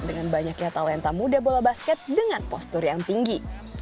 dengan banyaknya talenta muda bola basket dengan postur yang tinggi